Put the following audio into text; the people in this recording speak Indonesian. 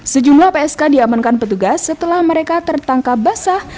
sejumlah psk diamankan petugas setelah mereka tertangkap basah